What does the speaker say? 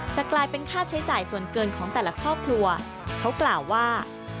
จะกลายเป็นค่าใช้จ่ายส่วนเกินของแต่ละครอบครัวเขากล่าวว่า